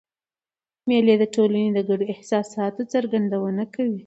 مېلې د ټولني د ګډو احساساتو څرګندونه کوي.